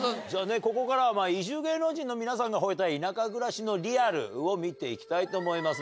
ここからは、移住芸能人の皆さんが吠えたい田舎暮らしのリアルを見ていきたいと思います。